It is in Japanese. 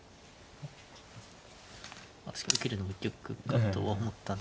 まあ確かに受けるのも一局かとは思ったんですけど。